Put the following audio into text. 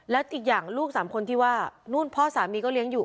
และอีกอย่างลูกสามคนที่ว่านู่นพ่อสามีก็เลี้ยงอยู่